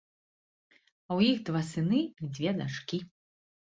У іх два сыны і дзве дачкі.